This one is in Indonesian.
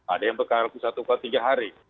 ada yang berlaku satu x tiga hari